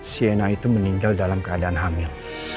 siena itu meninggal dalam keadaan hamil